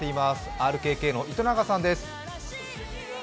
ＲＫＫの糸永さんです。